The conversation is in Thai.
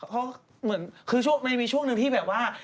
เขาเหมือนคือมันไม่มีช่วงหนึ่งที่แบบว่า